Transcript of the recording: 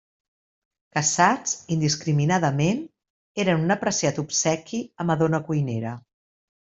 Caçats indiscriminadament, eren un apreciat obsequi a madona cuinera.